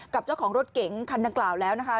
กับเจ้าของรถเก๋งคันดังกล่าวแล้วนะคะ